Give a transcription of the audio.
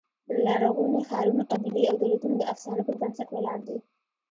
لرغوني ښارونه، قبیلې او دولتونه د افسانو پر بنسټ ولاړ دي.